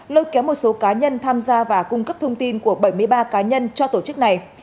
lôi kéo một số cá nhân tham gia và cung cấp thông tin của bảy mươi ba cá nhân cho tổ chức này